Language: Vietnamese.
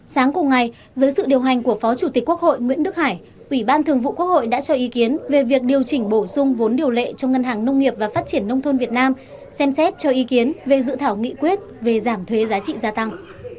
sáng cùng ngày dưới sự điều hành của phó chủ tịch quốc hội nguyễn đức hải ủy ban thường vụ quốc hội đã cho ý kiến về việc điều chỉnh bổ sung vốn điều lệ cho ngân hàng nông nghiệp và phát triển nông thôn việt nam xem xét cho ý kiến về dự thảo nghị quyết về giảm thuế giá trị gia tăng